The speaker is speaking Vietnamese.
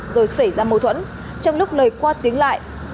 rồi xảy ra mâu thuẫn trong lúc lời qua tiếng lại